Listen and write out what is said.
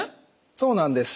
そうなんです。